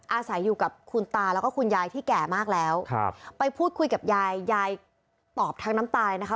อาศัยอยู่กับคุณตาแล้วก็คุณยายที่แก่มากแล้วครับไปพูดคุยกับยายยายตอบทั้งน้ำตายนะคะ